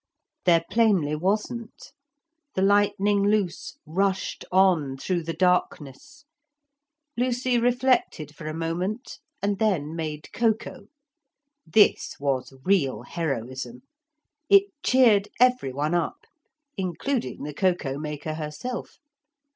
There plainly wasn't. The Lightning Loose rushed on through the darkness. Lucy reflected for a moment and then made cocoa. This was real heroism. It cheered every one up, including the cocoa maker herself.